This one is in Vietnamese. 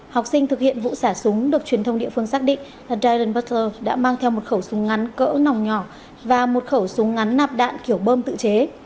học sinh thực hiện vụ xả súng được truyền thông địa phương xác định là dionurter đã mang theo một khẩu súng ngắn cỡ nòng nhỏ và một khẩu súng ngắn nạp đạn kiểu bơm tự chế